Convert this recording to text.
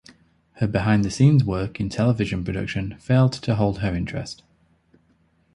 Her behind-the-scenes work in television production failed to hold her interest.